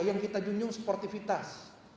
yang kita junyung sportifitas